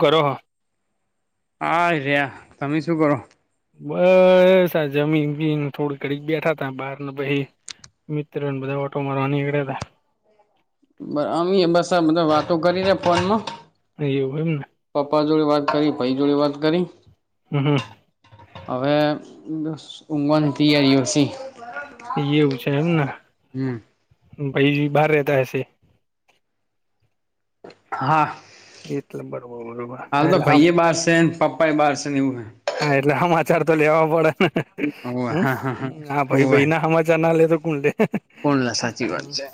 કરો હ આર્યા તમે શું કરો? બસ આ જમી ને [unintelligible] થોડી ઘડીક બેઠા તા બહાર ને પહી મિત્ર બધા ઓટો મારવા નિકળ્યતા અમેય બસ આ બધા વાતો કરી રયા ફોનમાં એવું હોય એમ ને પપ્પા જોડે વાત કરી ભાઈ જોડે વાત કરી હમ હમ. અવે બસ ઊંઘવાની તૈયારી ઓછી એવું છે, એમને ભાઈ બહાર રહેતા હશે હા એટલે બરોબર બરોબર હાલ હા તો એટલે આમ ભાઈ એ બાર છે, ને પપ પાએ બહાર સે ને એવું હે હા એટલે હમાચાર તો લેવા પડે ને હોવે હમ હા હા ભાઈ હોવે ભાઈના સમાચારના લે તો કોણ લે? કોણ લે સાચી વાત છે,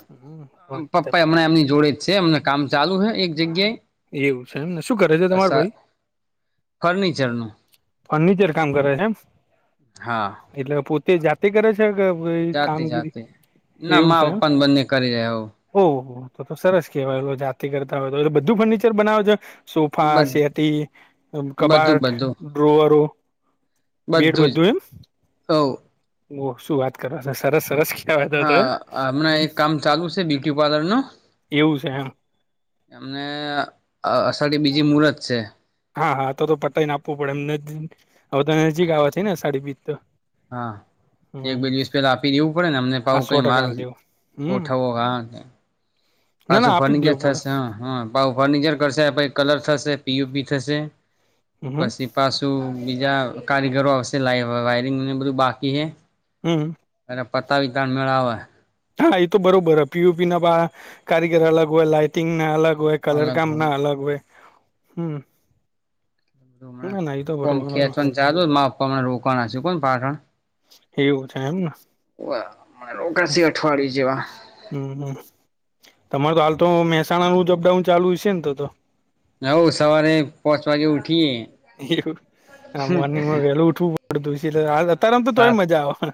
પપ્પા એ હમણાં એમની જોડે જ છે, એમને કામ ચાલુ હૈ એક જગ્યાએ એવું છે, એમને શું કરે છે, તમાર ભઈ? ફર્નિચર નું ફર્નિચર કામ કરે છે, એમ હા. એટલે પુ તે જાતે કરે છે, કે કોઈ જાતે કામગીરી જાતે ના એવું મા છે, એમ પપ્પાને બંને કરી રહ્યા હો ઓહ તો તો સરસ કેહેવાય જાતિ કરતા હોય તો એલે બધું ફર્નિચર બનાવે છે. સોફા, શેતી, બધું કબાટ, બધું ડ્રોઅરો બેડ બધું ઓ એમ ઓ શું વાત કરવા સરસ સરસ કહેવાય તો તો હા હમણાં હમ એક કામ ચાલુ છે, બયુટી પાર્લર નું એવું છે એમ એમને અષાઢી બીજી મુર્ત છે. હા હા તો પટાઈને આપવું પડે એમ નજીક આવવાથી ને સાડી બીજ તો હા એક હમ બે દિવસ પેલા આપી દેવું પડે ને અમને આ પાવું સો કઈ ટકા માલ હાલ દેવું હમ ગોઠવો હા ના ના પાછું આપી જ ફર્નિચર દેવું પડે થશે હ. હ પાવ ફર્નિચર કરશે પછ કલર થશે પીયુપી થશે હમ પછી પાસ તો બીજા કારીગરો આવશે લાઈવ વાયરિંગને બધું બાકી હે હમ. અને પતાવી તણ મેળ આવે હા એ તો બરોબર હે પીયુપીના પણ કારીગર અલગ હોય લાાઈટિંગના અલગ હોય કલર અલગ હવે કામના અલગ હોય હમ ના ના એ તો [unintelligible] કોમ બરોબર બરોબર. ખેંચવા ને ચાલુ માપમને રોકાવાના છે, કોણ પાછણ એવું છે, એમને રોકાસી અઠવાડિ જેવા હમ હમ તમાર તો હાલ તો મહેસાણા નુ જ અપડાઉન ચાલુ છે, ને તો તો હવ સવારે પચ વાગે ઉઠીયએ એવું મોર્નિંગમાં વેલું ઉઠવું પડુ [unintelligible] થોડી સાત મજા આવે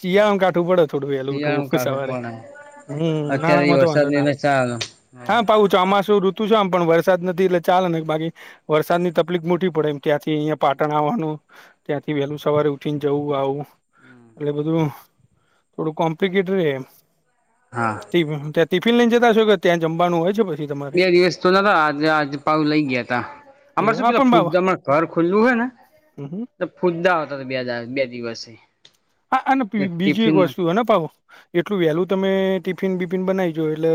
શિયા [unintelligible] કાઠું પડત થોડું વેલું શિયાળું ઉઠવુ સવારે કાઢવું પડે હમ નાણાં અત્યારે માં તો વરસાદ વાંધો ના ની ચાલ હા પાવું છો આમાં શું ઋતુ છે, આમ પણ વરસાદ નથી એટલે ચાલે ને બાકી વરસાદની તકલીફ મોટી પડે એમ ત્યાંથી અહિયા પાટણ આવવાનું ત્યાંથી વહેલું સવારે ઉઠી ને જવું આવું એટલે બધું થોડું કોમ્પ્લિકેટડ એમ હા. ત્યાં ટિફિન લઈ જતાંો કે્યાં જમવાનું હોય છે ભાય. બે દિવસ તો ન આજે આજ પાઉ લઈ ગયા ત અમાર એવું શું હા પેલા પણ ફુ બાબા ઘર ખુલ્લું હૈ ને હમ હમ. ફુદદા હતા બે બે દિવસે હા અને બીજી એક ટિફિન વસ્તુ હને પાવો. એટલું વેલું તમે ટિફિન બિફિન બનાવીજો એટલે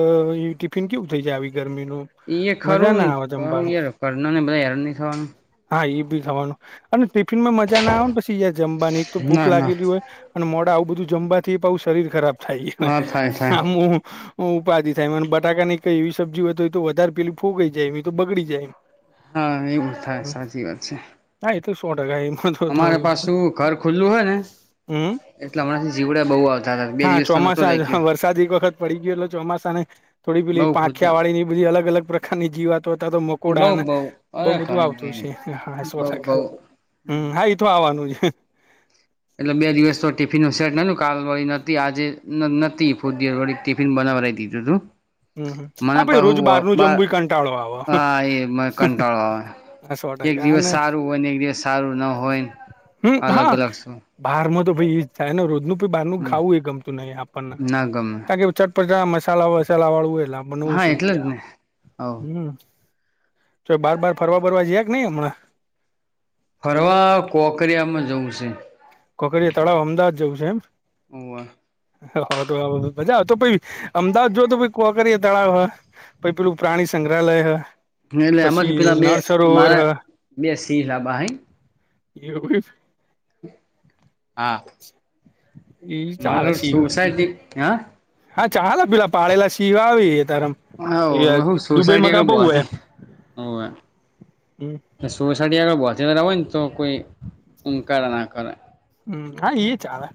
ટિફિન કેવું થઈ જાય આવી ગરમીનું. મજા ખરું ના ને આવે કહું જમવાનું યાર કરના ને બધા યાર નહી થવાનું. હા એ બી થવાનું અને ટિફિન માં મજા ના આવે ને પછી જમવાની એક તો ભૂખ ના ના લાગેલી હોય. અને મોડા આવું બધું જમવાથી શરીર ખરાબ થાયને હા થાય થાય આમું ઉપાધિ થાય એ અને બટાકા ની કઈ એવી સબ્જી હોય તો એ તો વધારે પેલી ફૂગઈ જાય એમ એ તો બગડી જાય એમ. હા એવું થાય સાચી વાત છે. ના તો સોટકા એમ. અમારે પાસે ઘર ખુલ્લું હોય ને. હમ એટલે હમણાંથી જીવડ્યા બહુ આવતા હતા બે હા દિવસ તો નતો ચોમાસા લઈ ગયો. વરસાદ એક વખત પડી ગયો એલો ચોમાસાને થોડી પેલી બઉ ખુદ પાંખિયા વાળી ની બધી અલગ અલગ પ્રકારની જી વાત તો મોકોડા બઉ બઉ બહ અરે બધું ઘણી આવતું છે બધી હ સો બઉ બઉ ટકા હ હા આવવાનું છે. એટલે બે દિવસ તો ટિફિન નું સેટ નથી કાલ તોય નથી આજે નથી ફૂળી ટિફિન બનાવા દીધું તું. હમમ મને આ ભાઈ પાહુ રોજ બારું બાર જમવું કંટાળો આવે હા એ મ કંટાળવા આવે. સો એક ટકા દિવસ અને સારું હોય ને એક દિવસ સારું ના હોયને અલગ અલગ શું બહાર તો ભ એ જ થાય ને રોજનું બારનું હમ ખાવું એ ગમતું નહી આપણને ના ગમે કારણ કે ટા મસાલા વસાલા વાળું હો એટલે બનાવું હા છું એટલે જ મજા ને હવ હમ. તો બાર બાર ફરવા બરવા જયાક નહી હમણાં. ફરવા કોકરિયામાં જવું છે. ખોકર તળાવ અમદાવાદ જવું છે એમ. હોવે. હ તો મજા તો પ અમદાવાદ જો તો કોકય તળાવ પ પેલું પ્રાણી સંગ્રહાલય હે. એટલે આમાંથી પેલા બે મારા બે સિંહ લબા હે. એવું છે. હ [unintelligible] હા. ઈ ચાલે મારો સિવ સોસાયટી કયા. હા ચાાલ પેલા પાળેલા સીવા આવી ત્યારે. હ હ સોસાયટીગળ બહથી હોવે. હમ સો સાટી આગળ ભતીરા હોય ને તો કોઈ ઇન્કાર ના કરે હમ હા એ ચાલે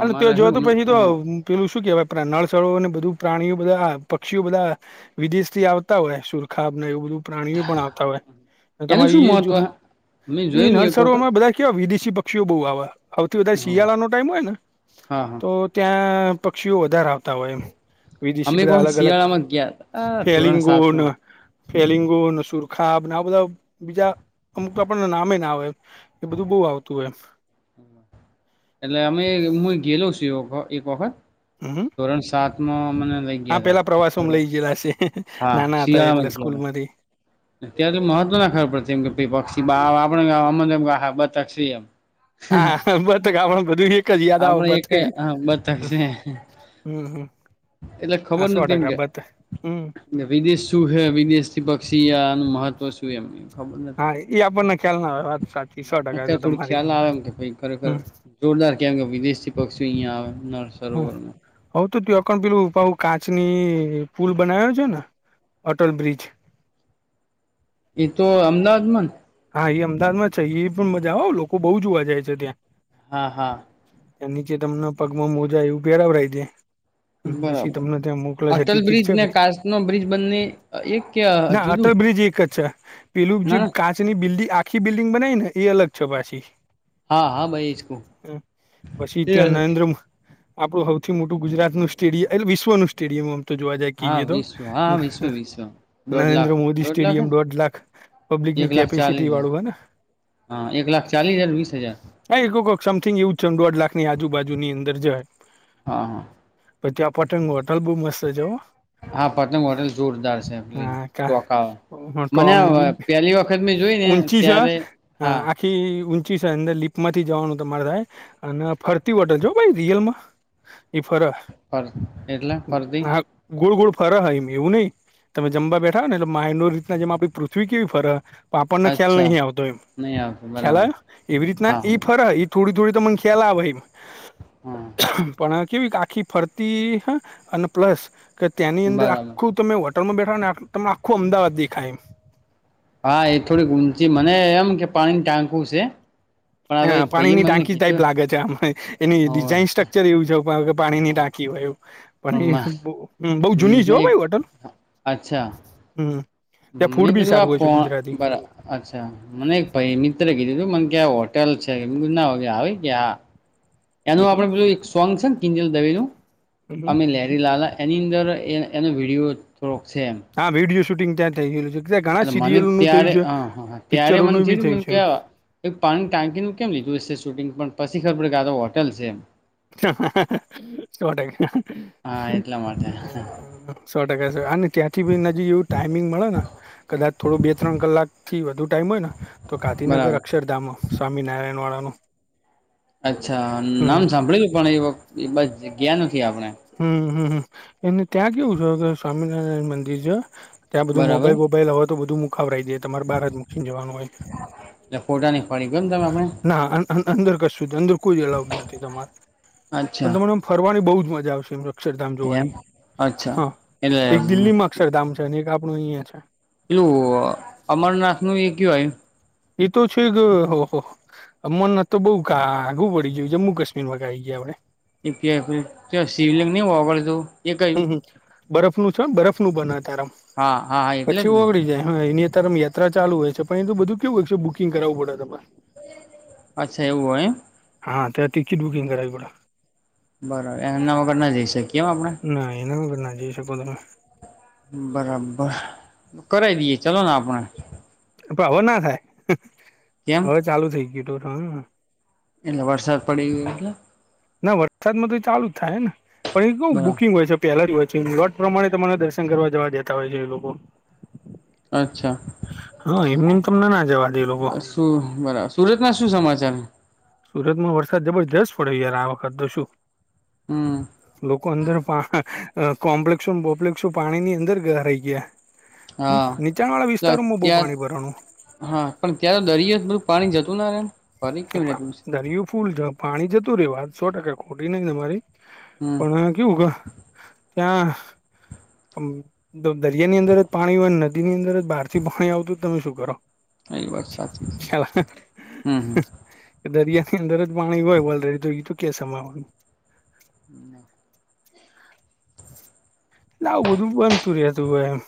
અનેટ ત અમારે જો તો હું પછી તો એનું પેલું શું કેહેવાય નળસળોને બધું પ્રાણીઓ બધા પક્ષીઓ બધા વિદેશ થી આવતા હોય સુરખાબ ને એવું બધું. પ્રાણીઓ પણ આવતા હોય શું તમારી એ મહત્વ જો મેં એ જોયેલું એક વખત નર્સરોમાં બધા. કેવા વિદેશી પક્ષીઓ બહુ આવે. આવથી વધારે શિયાળાનો ટાઈમ હોય ને, હા હા તો ત્યાં પક્ષીઓ વધારે આવતા હોય એમ વિદેશી અમે એક બધા વખત અલગ અલગ, શિયાળામાં ગયા હતા ધોરણ ફેલિંગો ન સાતમાં ફેલિંગો ન સૂરખાબ ના આવ બધા બીજા અમુક તો આપણને નામે ના આવે. એ બધું બહુ આવતું હોય. એટલે અમે મું એ ગેલો છું એ એક વખત હમ્મ ધોરણ સાત માં મને લઈ હા ગયા તા પેલા પ્રવાસોમ બરાબર લઇ ગયેલા છે. હા નાના હતા શિયાળામાં એટલે જ ગયા સ્કૂલમાંથી. ત્યારે તો મહત્વ ના ખબર પડતી, એમ કે ભઇ પક્ષી બાર આવે, આપણને ગમ એમ કે હા, બતક છે, એમ. હા, બતક આપણ બધું એક જ યાદ આવે, આપણે એક બતક. હા બતક છે હમ્મ, હમ્મ. એટલે હા, ખબર સો નથી એમ કે ટકા બતક. હમ્મ. વિદેશ શું છે? વિદેશથી પક્ષી આવે, એનું મહત્ત્વ શું એમનું? ખબર નથી. હા એ આપણને ખ્યાલ ના આવે વાત સાચી સો ટકા તો અત્યારે થોડું તમારી ખ્યાલ આવે એમ કે ભાઈ ખરેખર હમ જોરદાર, કેમ કે વિદેશથી પક્ષીઓ અહીંયા આવ નર્સ. હમ્મ. હઉ તો કેવુ અ કણ પેલું કાચની પુલ બનાયો છે ને, અટલ બ્રિજ એ તો અમદાવાદ માં ને? હા એ અમદાવાદમાં છે. એ પણ મજા આવે હોં. લોકો બહુ જોવા જાય છે ત્યાં. હા, હા. ત્યાં નીચે તમને પગમાં મોજા એવું પેરાવડાઈ દે. પછી બરાબર તમને ત્યાં મોકલે છે અટલ ટિકિટ બ્રિજ છે કે? ને કાચ નો બ્રિજ બંને એક કે ના જુદું અટલ બ્રિજ એક જ છે. પેલું જે ના ના કાચ ની બિલ્ડી આખી બિલ્ડિંગ બનાઈને, એ અલગ છે પાછી. હા હા ભાઈ એજ કવ અં, પછી એ ત્યાં અલગ નરેન્દ્ર મો આપણું હૌથી મોટું ગુજરાતનું સ્ટેડિય, એટલે વિશ્વનું સ્ટેડિયમ અમ. તો જોવા જાય હા કઈએ તો. વિશ્વ હા વિશ્વ વિશ્વ દોઢ લાખ નરેન્દ્ર મોદી દોઢ લાખ હે સ્ટેડિયમ દોઢ લાખ ને પબ્લિકની એક લાખ કેપ ચાલીસ હજાર. હા, એક લાખ ચાલીસ હજાર, વીસ હજાર? હા, એ કોક સમથિંગ એવું જ છે. દોઢ લાખની આજુબાજુની અંદર જવાય. હા હા. પછ ત્યાં પટંગ હોટલ બહુ મસ્ત છે હો! હા, પતંગ હોટેલ જોરદાર છે એમ. પેલી હા ટોકા. હા તો મને આમ અ બિલ પેલી વખત ની જોઈ ને ઊંચી છે ત્યારે જ હા આખી ઊંચી છે અંદર લીપમાંથી જવાનું તમારે થાય, અને ફરતી હોટલ છે હો ભાઈ રિયલ માં. ઈ ફર. ફર એટલે ફરતી? ગોળ ગોળ ફર હ ઈ. એવું નહીં. તમે જમવા બેઠા હોયને, એટલે માઈનોર રીતના જેમ આપણી પૃથ્વી કેવી ફર હ પણ આપણને ખ્યાલ નહીં આવતો એમ. નહીં આવતો. ખ્યાલ આયો? એવી રીતના ઈ ફર હ. ઈ થોડી થોડી તમન ખ્યાલ આવે હ. હમ્મ. પણ કેવી કે, આખી ફરતી હં, અને પ્લસ કે ત્યાંની અંદર બરાબર આખું તમે હોટલમાં બેઠા હોય ને, તમ આખું અમદાવાદ દેખાય. હા, એ થોડી ઊંચી. મને એમ કે પાણીનું ટાંકુ છે. પણ હવે હા, એક ભાઈએ પાણીની મને ટાંકી ટાઈપ કીધું લાગે છે આમ, હં. એની ડિઝાઇન સ્ટ્રક્ચર એવું છે કે પાણીની ટાંકી હોય આવું પણ એ બઉ જૂની પણ છે હો એક પાહિ હોટલ ત્યાં મે ફૂડ બી કીધું સારું આ હોય છે પો ગુજરાતી બરા અચ્છા મને એક ભઈ મિત્ર કીધું તું કે મને કે આ હોટ હોટલ છે મેં કીધું ના હોય કે હાવી કે હા હમ એનું હમ આપડે પેલું એક સોંગ છે ને કિંજલ દવે નું હમ હમ. અમે લેરી લાલા એની અંદર એન એનો વિડીયો થોડોક છે એમ હા વિડીયો શૂટિંગ ત્યાં થઇ ગયલું છે ત્યાં ઘણા એટલે મને સિરિયલોનું થયું ત્યારે છે હ હા ત્યારે મને પિક્ચરોનું બી થયું મને કે છે. એક પાણીની ટાંકીનું કેમ લીધું છે શૂટિંગ પણ પછી ખબર પડી કે આતો હોટલ છે એમ [unintelligible] સો ટકા હમ, હા એટલા માટે સો ટકા છે અને ત્યાંથી બીજી એવું ટાઈમિંગ મળે ને કદાચ થોડું બે ત્રણ કલાક થી વધુ ટાઈમ હોય ને તો બરાબર ગાંધીનગર અક્ષરધામ હ સ્વામી નારાયણવાળાનું અચ્છા નામ સાંભળીલું પણ એ બાજ ગ્યા નથી આપણે હમ્મ હમ્મ એને ત્યાં કેવું છે કે સ્વામિનારાયણ મંદિર છે. ત્યાં બધું બરાબર મોબાઈલ બોબાઈલ હોય તો બધું મુકાવરાઈ દે તમારે બધું બાર જ મૂકીને જવાનું હોય ફોટા ની પાડી કો એમ [unintelligible] ના અંદર કશું જ અંદર કોઈ એલાઉડ નથી પણ અચ્છા તમારે ફરવાની બઉ જ મજા આવશે એમ અક્ષરધામ એમ જોવાની અચ્છા હા એક એટલે દિલ્હીમાં અક્ષરધામ અને એક આપણું અહીંયા છે. પેલું અમરનાથ નું એ ક્યો આયુ એ તો છે ક હોહ અમરનાથ તો બઉ આગું પડી ગયું જમ્મુ કશમીર માં આઈ ગયા આપણે [unintelligible] ત્યાં શિવલિંગ નહી ઓગળતું એ કયું હમ્મ હમ્મ બરફ નું છ બરફ નું બને આકાર હા હા હા એટલે જ પછી ને ઓગળી જાય હ [unintelligible] યાત્રા ચાલુ હોય છે પણ એ તો બધું કેવું હોય છે બુકિંગ કરાવવું પડે તમારે અચ્છા એવું હોય એમ હા ત્યાં તિકીટ બુકિંગ કરાવવી પડે બરાબર એમના વગર ના જઈ શકીએ એમ આપડે ના એના વગર ના જઈ શકો તમે બરાબર કરાઈ દઈએ ચલો ને આપણે પણ હવે ના થાય કેમ હવે ચાલુ થઇ ગયું તો [unintelligible] એટલે વરસાદ પડી ગયું એટલે ના વરસાદમાં તો ચાલુ જ થાહેન પણ એ કેવું બરાબર બુકિંગ હોય છે. પેલા જ હોય છે યુવાટ પ્રમાણે તમારે દર્શન કરવા જવા દેતા હોય છે એ લોકો અચ્છા હા એમને એમ તમને ના જવા દે એ લોકો બસ શું બરાબર સુરતમાં શું સમાચાર સુરતમાં વરસાદ જબરજસ્ત પડ્યો યાર આ વખત તો શું હમ લોકો અંદર પા અ કોમ્પ્લેક્ષો બોપ્લેક્ષસો પાણીની અંદર ઘરાઈ ગયા હમ હા નીચાણ વાળા વિસ્તારોમાં બહુ ત્યાં પાણી ભરાણું હા પણ ત્યારે દરિયો બધું પાણી જતું ન રે ફરી કેમ રહેતું દરિયું ફૂલ પાણી જતું રે વાત સો ટકા ખોટી નહી તમારી હમ પણ કેવું ક ત્યાં આમ દ દરિયા ની અંદર જ પાણી હોય નદીની અંદર જ બારથી પાણી આવતું તમે શું કરો એ વાત સાચી છે ખ્યાલ હમ હમ દરિયા ની અંદર જ પાણી હોય વલરે તો તો કે સમાવાનું ના આવું બધું બનતું રે તું હોય એમ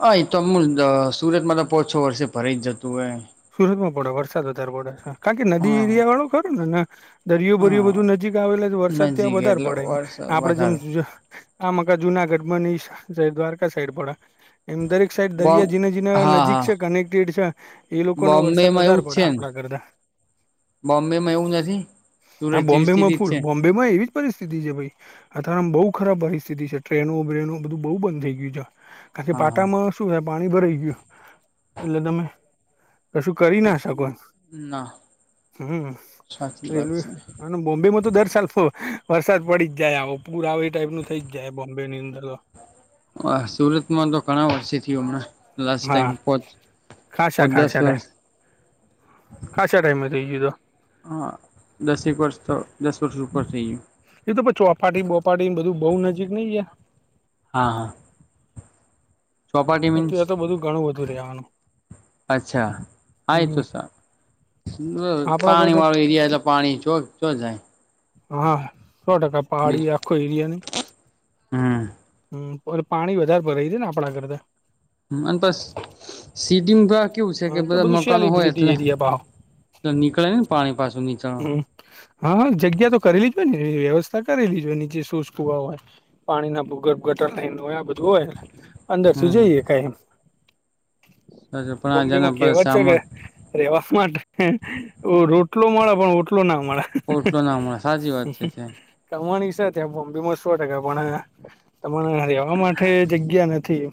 હા એ તો અમુલ અહ સુરતમાં તો પાંચ છ વર્ષે ભરાઈ જ જતું હોય સુરત માં પડે વરસાદ વધારે પડે કારણ કે નદી હા એરિયા વાળું ખરું ન ને દરિયો ભરિયો હા બધું નજીક આવેલા વરસાદ ત્યાં નજીક વધારે એટલે પડે વર્ષ આપડે જેમ વધારે જ આમ આખા જુનાગઢમાં ને ઈ સાઇડ દ્વારકા સાઈડ પડે એમ દરેક એક સાઈડ બો દરિયા જીને જીને હા નજીક હા છે કનેક્ટેડ છે એ લોકો ને બોમ્બે વરસાદ માં એવું વધારે જ છે પડે ને આપણા કરતા બોમ્બે માં એવું નથી હા સુરત જેવી બોમ્બેમાં સ્થિતિ જ ફૂલ છે બોમ્બેમાં એવી જ પરિસ્થિતિ છે ભાઈ અથ્યારે આમ બહુ ખરાબ પરિસ્થિતિ છે ટ્રેનો બ્રેનો બધું બહુ બંધ થઇ ગયું છે ખાલી હા હા પાટામાં શું હે પાણી ભરાઈ ગયું એટલે તમે કશું કરી ના શકો એમ ના હમ્મ સાચી વાત રેલવે છે આનમ બોમ્બે માં તો દર સાલ ફ વરસાદ પડી જ જાય આવ પુર આવે એ ટાઈપ નું થઈ જાય બોમ્બે ની અંદર તો હા સુરતમાં તો ઘણા વર્ષે થયું હમણાં લાસ્ટ હા ટાઈમ પોચ ખાસા પોચ દસ ખાસા ટાઈમ વર્ષ ખાસા ટાઈમમાં થઈ ગયું તું હા દસ એક વર્ષ તો દસ વર્ષ ઉપ ઉપર થઈ ગયું એ તો પછું ચોપાટી બોપાટીન બધું બહુ નજીક નહી ગયા હા હા ચોપાટી એતો મીન્સ એ તો બધું ઘણું બધુ રેવાનું અચ્છા હા એ તો હમ સારું આપડા પાણી કરતા વાળું એરિયા એટલે પાણી ચો જો જાય હા સો ટકા પહાડી બીજું આખો એરિયા ની હમ હમ્મ પણ પાણી વધારે ભરાય છે ને આપણા કરતા મન પસ [unintelligible] કેવું છે કે તો બધા બધું મકાનો હોય સેલિબ્રિટી એટલે એરિયા ભાવ નીકળે ને પાણી પાછું નીચળવા હમ હા હા જગ્યા તો કરી લી જ હોય ને વ્યવસ્થા કરીલી જ હોય નીચે સોશક વાવા પાણી ના ભૂગર્ભ ગટર લાઈન હોય આ બધું હોય અંદર સુધી હમ જોઈ હકાય એમ પણ બોમ્બેમાં જેના કહેવત છે કે સામાન રેવા માટે રોટલો મળે પણ ઓટલો ના મળે ઓટલો ના મળે સાચી વાત છે છે કમાણી છે ત્યાં બોમ્બેમાં સો ટકા પણ હવે આ તમારે અહીંયા રહેવા માટે જગ્યા નથી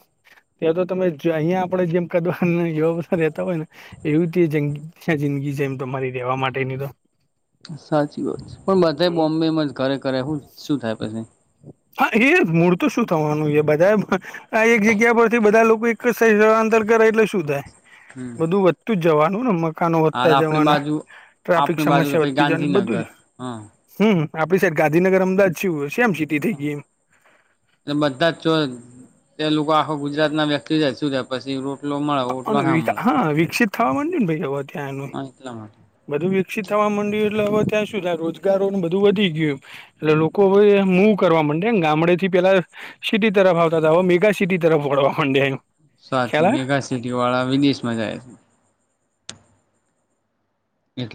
ત્યાં તો તમે અહિયાં આપડે જેમ કે દ્વા અને એવા બધા રહેતા હોય ને એવી તે જિંદ જિંદગી જેમ તમારી રહેેવા માટેની તો સાચી વાત છે પણ બધાઈ હમ બોમ્બે માં જ ઘરે ઘરે હું શું થાય પછી હા એ મૂળ તો શું થવાનું એ બધાઈ આ એક જગ્યા પરથી બધા લોકો એક જ સ્થળાંતર કરે એટલે શું થાય હમ બધું વધતુ જ જવાનું મ કાનો હાલ વધતા જવાના આપણી અને બાજુ ટ્રાફિક આપણી બાજુ કે સમસ્યા ભાઈ વધતી જવાની બધું જ ગાંધીનગર હા હમ્મ. હમ્મ. આપડી સાઈડ ગાંધીનગર અમદાવાદ ચેવું હન સેમ સિટી થઇ ગઈ ઇમ. એ બધા જ ચ્યો એ લોકો આખો ગુજરાતના વ્યક્તિ જાય શું જા પછી રો અન વિકા હન વિકસિત થાવા માંડયુ ને ભાઈ ત્યાં એનું. લા બધું વિકસિત થવા મંડ્યું એટલે હવે ત્યાં શું થાય રોજગારોને બધું વધી ગ્યું. એટલે લોકો હવે મૂવ કરવા મંડ્યા ન ગામડેથી પેલા સિટી તરફ આવતા હતા હવ મેગા સિટી તરફ વળવા મંડ્યા એ. સાચી મેગાસિટીઓવાળા વિદેશમાં જાય છે. એટલે